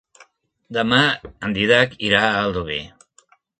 Demà en Dídac irà a Aldover.